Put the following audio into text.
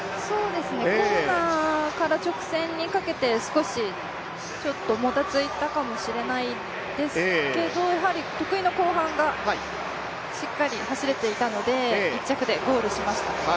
コーナーから直線にかけて、少しもたついたかもしれないですけどやはり得意の後半がしっかり走れていたので、１着でゴールしました。